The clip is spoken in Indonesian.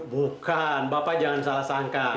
bukan bapak jangan salah sangka